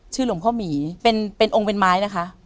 หลวงพ่อหมีเป็นองค์เป็นไม้นะคะ